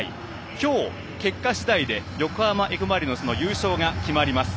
今日の結果次第で横浜Ｆ・マリノスの優勝が決まります。